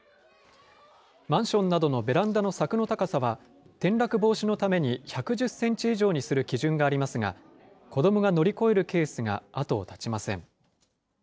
マンションなどのベランダの柵の高さは、転落防止のために１１０センチ以上にする基準がありますが、子どもが乗り越えるケースが後を絶ちません。